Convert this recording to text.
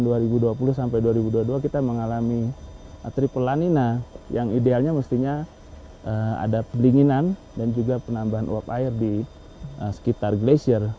lalu sampai dua ribu dua puluh dua kita mengalami triple lanina yang idealnya mestinya ada peninginan dan juga penambahan uap air di sekitar glasir